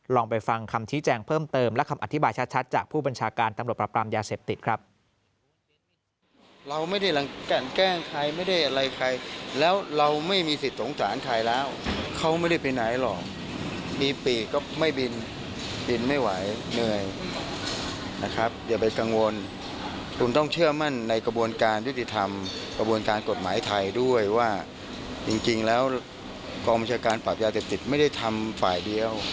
ลองไปฟังคำชี้แจงเพิ่มเติมและคำอธิบายชัดจากผู้บัญชาการตำรวจปรับปรามยาเสพติดครับ